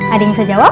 ada yang bisa jawab